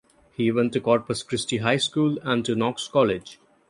He went to Corpus Christi High School and to Knox College.